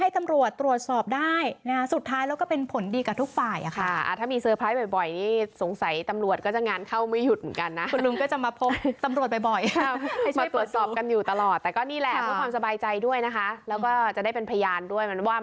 ตอนนี้ก็เข้าใจแล้ว